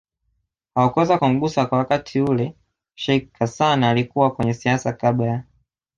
hawakuweza kumgusa kwa wakati hule Sheikh Hassan alikuwa kwenye siasa kabla ya